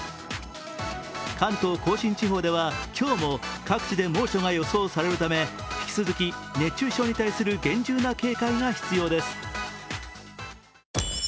関東甲信地方では今日も各地で猛暑が予想されるため引き続き熱中症に対する厳重な警戒が必要です。